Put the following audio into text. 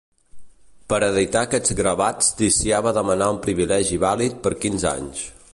Per editar aquests gravats Ticià va demanar un privilegi vàlid per quinze anys.